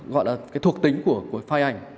gọi là cái thuộc tính của file ảnh